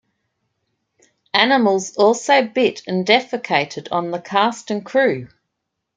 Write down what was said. Animals also bit and defecated on the cast and crew.